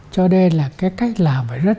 cho nên là cái cách làm phải rất